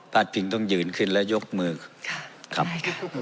พิงต้องยืนขึ้นแล้วยกมือครับ